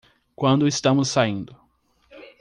Quando estamos saindo